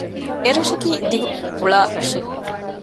އެރަށަކީ ދިގު ފުޅާ ރަށެއް